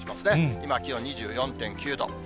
今、気温２４．９度。